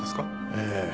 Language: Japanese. ええ。